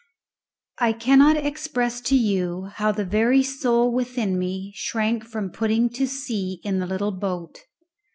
I cannot express to you how the very soul within me shrank from putting to sea in the little boat.